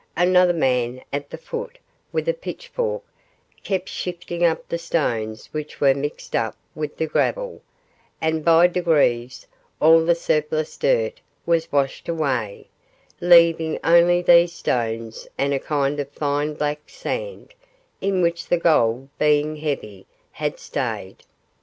Another man at the foot, with a pitchfork, kept shifting up the stones which were mixed up with the gravel, and by degrees all the surplus dirt was washed away, leaving only these stones and a kind of fine black sand, in which the gold being heavy, had stayed.